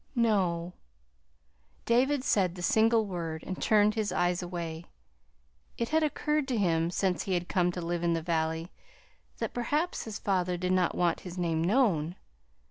"No." David said the single word, and turned his eyes away. It had occurred to him, since he had come to live in the valley, that perhaps his father did not want to have his name known.